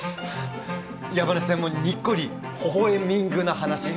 山根さんもにっこりほほ笑みんぐな話。